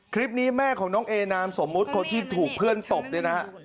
คลิปนี้แม่ของน้องเอนามสมมุติคนที่ถูกเพื่อนตบเนี่ยนะฮะ